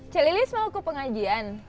cik lilis mau ke pengajian